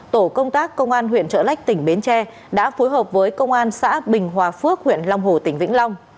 tổ công tác công an huyện trợ lách tỉnh bến tre đã phối hợp với công an xã bình hòa phước huyện long hồ tỉnh vĩnh long